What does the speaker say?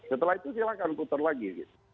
setelah itu silahkan putar lagi